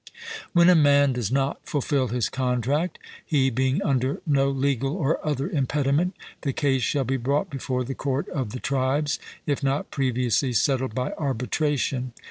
When a man does not fulfil his contract, he being under no legal or other impediment, the case shall be brought before the court of the tribes, if not previously settled by arbitration.